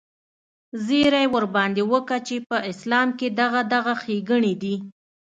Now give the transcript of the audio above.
زيرى ورباندې وکه چې په اسلام کښې دغه دغه ښېګڼې دي.